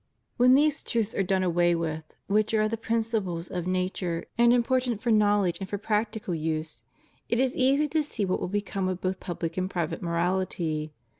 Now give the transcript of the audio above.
When these truths are done away with, which are as the principles of nature and important for knowledge and for practical use, it is easy to see what will become of both public and private morahty.